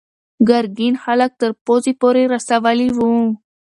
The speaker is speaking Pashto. ګرګین خلک تر پوزې پورې رسولي وو.